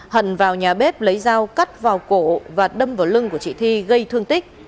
hận vào nhà bếp lấy dao cắt vào cổ và đâm vào lưng của chị thi gây thương tích